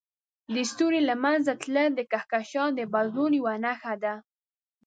د ستوري له منځه تلل د کهکشان د بدلون یوه نښه ده.